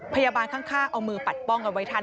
ข้างเอามือปัดป้องกันไว้ทัน